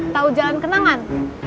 tahu jalan kenangan